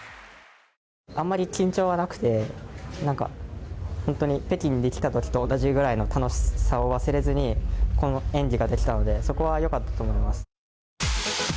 あんまり緊張はなくて、なんか、本当に北京できたときの楽しさを忘れずに、この演技ができたので、そこはよかったと思います。